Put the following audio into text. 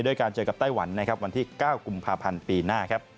การเจอกับไต้หวันนะครับวันที่๙กุมภาพันธ์ปีหน้าครับ